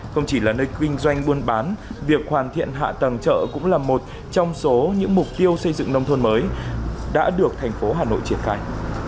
không chỉ là nơi kinh doanh buôn bán việc hoàn thiện hạ tầng chợ cũng là một trong số những mục tiêu xây dựng nông thôn mới đã được thành phố hà nội triển khai